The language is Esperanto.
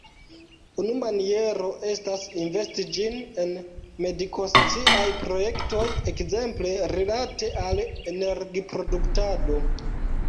Unu maniero estas investi ĝin en medikonsciaj projektoj, ekzemple rilate al energiproduktado.